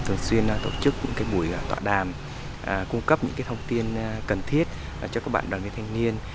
thường xuyên tổ chức những buổi tọa đàm cung cấp những thông tin cần thiết cho các bạn đoàn viên thanh niên